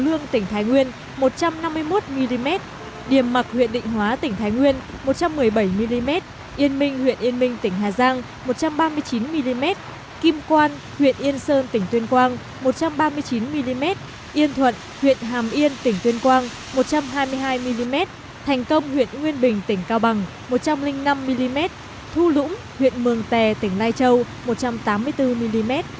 tuyên quang một trăm ba mươi chín mm yên thuận huyện hàm yên tỉnh tuyên quang một trăm hai mươi hai mm thành công huyện nguyên bình tỉnh cao bằng một trăm linh năm mm thu lũng huyện mường tè tỉnh lai châu một trăm tám mươi bốn mm